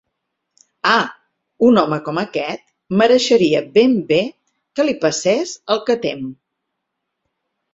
Ah! Un home com aquest mereixeria ben bé que li passés el que tem.